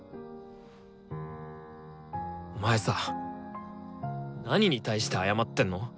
お前さ何に対して謝ってんの？